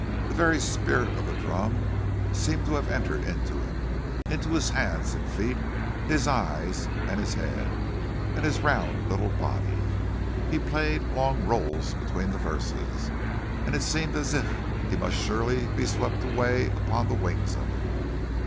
The very spirit of the drum seemed to have entered into him—into his hands and his feet, his eyes and his head, and his round little body. He played a long roll between the verses, and it seemed as if he must surely be swept away upon the wings of it.